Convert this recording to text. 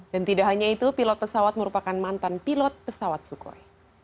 dan tidak hanya itu pilot pesawat merupakan mantan pilot pesawat sukhoi